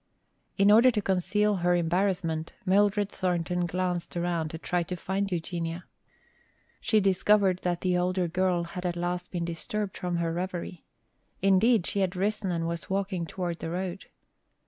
In order to conceal her embarrassment Mildred Thornton glanced around to try to find Eugenia. She discovered that the older girl had at last been disturbed from her reverie. Indeed, she had risen and was walking toward the road.